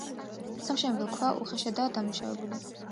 სამშენებლო ქვა უხეშადაა დამუშავებული.